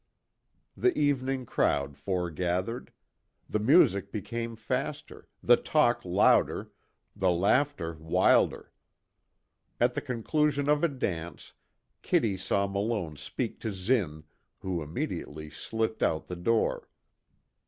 The evening crowd foregathered. The music became faster, the talk louder, the laughter wilder. At the conclusion of a dance, Kitty saw Malone speak to Zinn, who immediately slipped out the door.